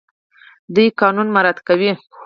دوی قانون مراعات کوي.